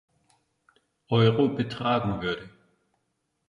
Euro betragen würde.